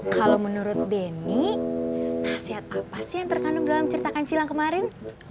kalau menurut denny nasihat apa sih yang terkandung dalam ceritakan cilang kemarin